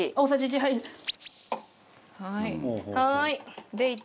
はい。